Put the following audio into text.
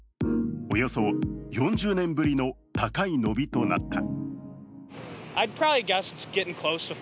およそ４０年ぶりの高い伸びとなった。